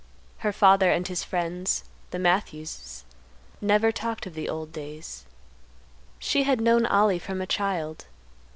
Her father and her friends, the Matthews's, never talked of the old days. She had known Ollie from a child.